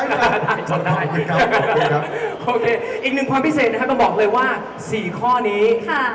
ได้จ๊ะได้ครับอีกนึงค้นพิเศษนะครับผมบอกเลยว่าสี่ข้อนี้ครับ